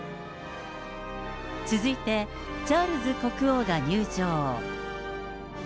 続いて、チャールズ国王が入場。